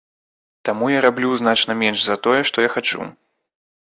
Таму я раблю значна менш за тое, што я хачу.